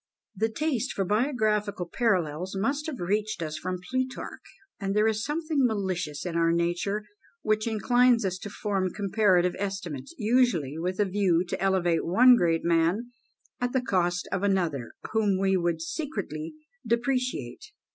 The taste for biographical parallels must have reached us from Plutarch; and there is something malicious in our nature which inclines us to form comparative estimates, usually with a view to elevate one great man at the cost of another, whom we would secretly depreciate.